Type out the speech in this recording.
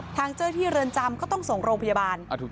ทางเจ้าที่เรือนจำก็ต้องส่งโรงพยาบาล